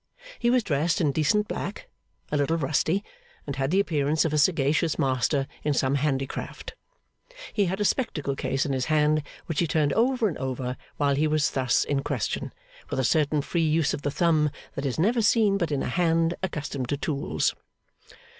He was dressed in decent black, a little rusty, and had the appearance of a sagacious master in some handicraft. He had a spectacle case in his hand, which he turned over and over while he was thus in question, with a certain free use of the thumb that is never seen but in a hand accustomed to tools.